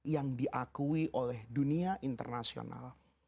yang diakui oleh dunia internasional